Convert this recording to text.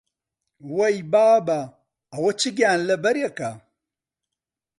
وەی بابە، ئەوە چ گیانلەبەرێکە!